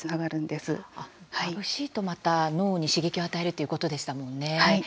まぶしいと、また脳に刺激を与えるということでしたもんね。